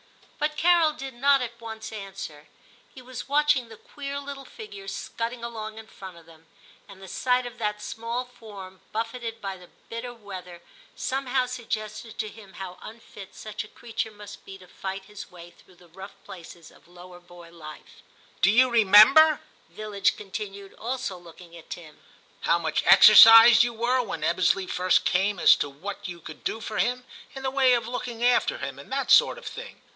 But Carol did not at once answer; he was watching the queer little figure scudding along in front of them, and the sight of that small form buffeted by the bitter weather somehow suggested to him how unfit such a creature must be to fight his way through the rough places of lower boy life. 138 TIM CHAP. ' Do you remember,' Villidge continued, also looking at Tim, 'how much exercised you were when Ebbesley first came as to what you could do for him, in the way of looking after him, and that sort of thing?